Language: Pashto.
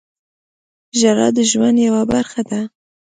• ژړا د ژوند یوه برخه ده.